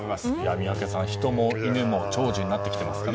宮家さん、人も犬も長寿になってきていますね。